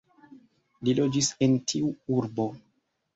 Li loĝis en tiu urbo.